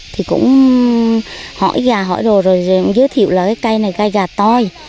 thì cũng hỏi gà hỏi đồ rồi giới thiệu là cây này cây gà toi